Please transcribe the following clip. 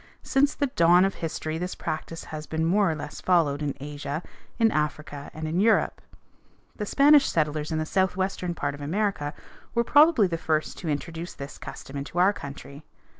Since the dawn of history this practice has been more or less followed in Asia, in Africa, and in Europe. The Spanish settlers in the southwestern part of America were probably the first to introduce this custom into our country.